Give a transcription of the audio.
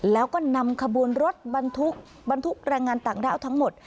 แล้วก็นำขบวนรถบรรทุกบรรทุกแรงงานต่างด้าวทั้งหมด